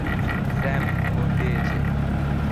Sam phone দিয়েছে।